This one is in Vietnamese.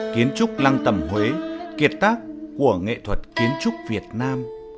kiến trúc lăng tầm huế kiệt tác của nghệ thuật kiến trúc việt nam